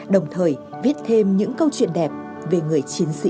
đồng thời viết thêm những câu chuyện đẹp về người chiến sĩ công an nhân dân